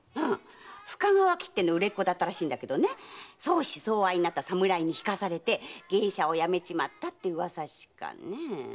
深川きっての売れっ子だったらしいけど相思相愛になった侍に落籍されて芸者を辞めたって噂しか。